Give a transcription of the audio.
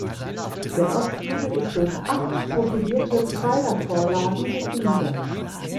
Der Ostgiebel ist durch acht profilierte Pfeilervorlagen gegliedert.